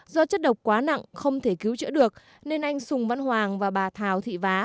do chất độc quá nặng không thể cứu chữa được nên anh sùng văn hoàng và bà thảo thị vá